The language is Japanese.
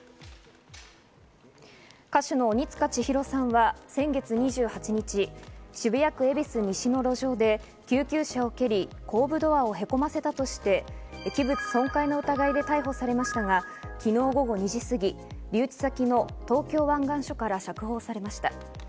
歌手の鬼束ちひろさんは先月２８日、渋谷区恵比寿西の路上で救急車を蹴り、後部ドアをへこませたとして器物損壊の疑いで逮捕されましたが、昨日午後２時過ぎ、留置先の東京湾岸署から釈放されました。